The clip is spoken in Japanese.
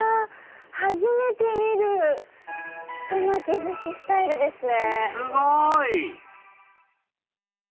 初めて見る手巻き寿司スタイルですね。